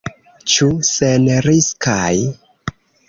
Ĉu senriskaj?